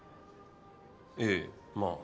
ええまあ。